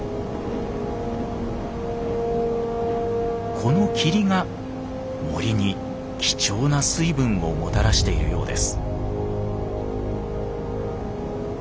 この霧が森に貴重な水分をもたらしているようです。